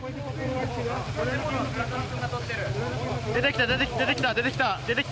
出てきた、出てきた。